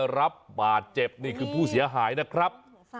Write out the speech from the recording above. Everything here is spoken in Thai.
แล้วก็ภรรยาของเขาได้รับบาดเจ็บนี่คือผู้เสียหายนะครับ